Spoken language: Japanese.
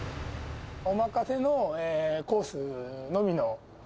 おまかせのコースのみの。